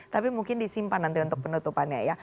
tapi mungkin disimpan nanti untuk penutupannya ya